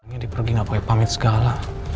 adi pergi gak boleh pamit segala